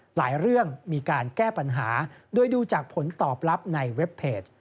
หลายเรื่องมีการแก้ปัญหาโดยดูจากผลตอบรับในเว็บเพจ